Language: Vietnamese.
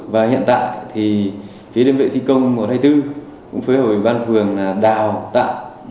và hiện tại thì phía đơn vị thi công một trăm hai mươi bốn cũng phối hợp với ban phường là đào tạo